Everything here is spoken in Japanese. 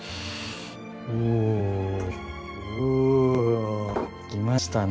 おおお！来ましたね